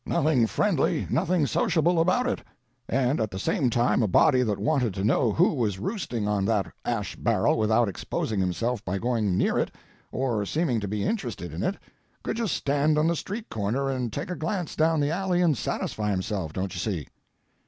Nothing friendly, nothing sociable about it. And at the same time, a body that wanted to know who was roosting on that ash barrel without exposing himself by going near it, or seeming to be interested in it, could just stand on the street corner and take a glance down the alley and satisfy himself, don't you see?"